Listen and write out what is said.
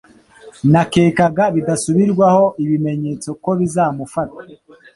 Nakekaga bidasubirwaho ibimenyetso kobizamufata